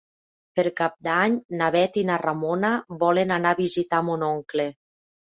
Per Cap d'Any na Bet i na Ramona volen anar a visitar mon oncle.